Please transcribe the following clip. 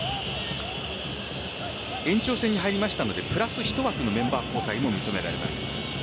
延長戦に入りましたのでプラス１枠のメンバー交代も認められます。